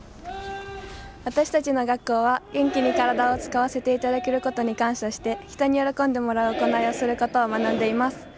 私たちの学校は、元気に体を使わせていただけることに感謝して、人に喜んでもらう行いをすること学んでいます。